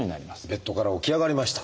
ベッドから起き上がりました。